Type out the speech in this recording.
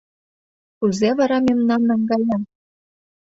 — Кузе вара мемнам наҥгая?